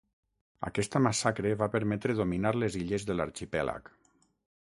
Aquesta massacre va permetre dominar les illes de l'arxipèlag.